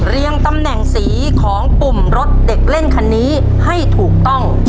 ตำแหน่งสีของปุ่มรถเด็กเล่นคันนี้ให้ถูกต้อง